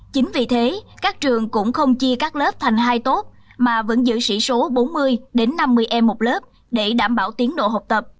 chính vì thế các trường cũng không chia các lớp thành hai tốt mà vẫn giữ sỉ số bốn mươi năm mươi em một lớp để đảm bảo tiến độ học tập